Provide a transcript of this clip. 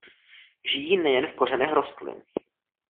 Žijí nejen v kořenech rostlin.